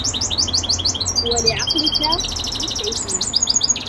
وَلِعَقْلِك مُسْعِفًا